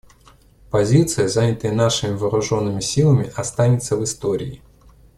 Позиция, занятая нашими вооруженными силами, останется в истории.